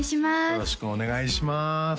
よろしくお願いします